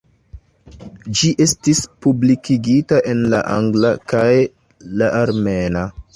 Ĝi estis publikigita en la angla kaj la armena.